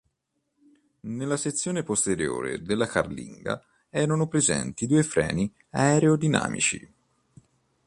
Nella sezione posteriore della carlinga erano presenti due freni aerodinamici.